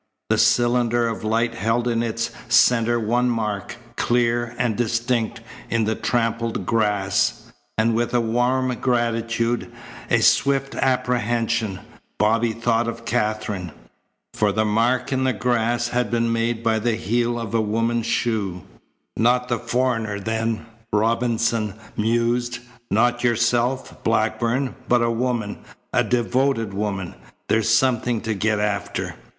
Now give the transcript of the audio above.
The cylinder of light held in its centre one mark, clear and distinct in the trampled grass, and with a warm gratitude, a swift apprehension, Bobby thought of Katherine. For the mark in the grass had been made by the heel of a woman's shoe. "Not the foreigner then," Robinson mused, "not yourself, Blackburn, but a woman, a devoted woman. That's something to get after."